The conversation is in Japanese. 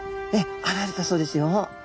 現れたそうですよ。